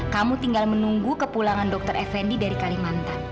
kamu tinggal menunggu kepulangan dokter effendi dari kalimantan